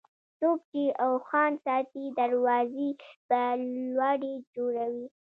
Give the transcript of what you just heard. څوک چې اوښان ساتي، دروازې به لوړې جوړوي.